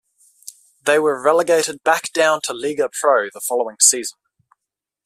They were relegated back down to Lega Pro the following season.